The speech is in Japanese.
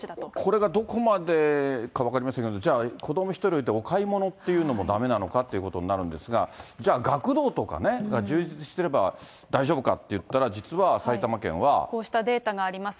これがどこまでか分かりませんけど、じゃあ、子ども１人置いてお買い物っていうのもだめなのかっていうことになるんですが、じゃあ、学童とかね、充実してれば大丈夫かっていこうしたデータがあります。